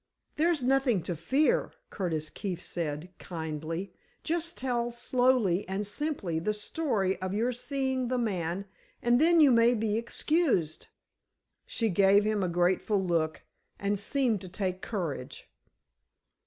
"There's nothing to fear," Curtis Keefe said, kindly. "Just tell slowly and simply the story of your seeing the man and then you may be excused." She gave him a grateful look, and seemed to take courage.